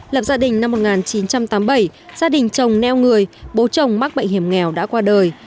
lập gia đình năm một nghìn chín trăm tám mươi bảy gia đình chồng neo người bố chồng mắc bệnh hiểm nghèo đã qua đời